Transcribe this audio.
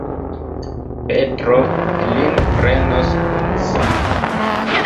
Petro lin prenos kun si.